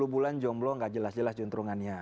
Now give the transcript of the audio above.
sepuluh bulan jomblo gak jelas jelas juntrungannya